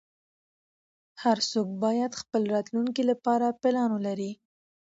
هر څوک باید خپل راتلونکې لپاره پلان ولری